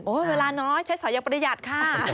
เวลาน้อยใช้สายประหยัดค่ะ